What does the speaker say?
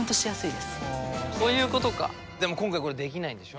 でも今回これできないんでしょ？